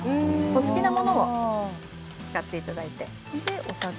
お好きなものを使っていただいて。